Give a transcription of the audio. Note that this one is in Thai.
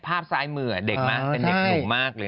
ภาพซ้ายมือเด็กมากเป็นเด็กหนุ่มมากเลย